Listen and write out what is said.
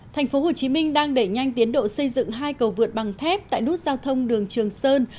thành phố hồ chí minh đang đẩy nhanh tiến độ xây dựng hai cầu vượt bằng thép tại nút giao thông đường trường sơn